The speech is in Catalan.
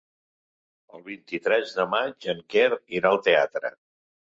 El vint-i-tres de maig en Quer irà al teatre.